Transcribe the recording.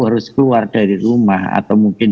harus keluar dari rumah atau mungkin